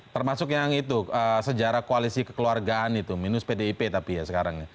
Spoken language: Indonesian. termasuk yang itu sejarah koalisi kekeluargaan itu minus pdip tapi ya sekarang